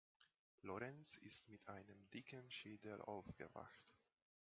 Lorenz ist mit einem dicken Schädel aufgewacht.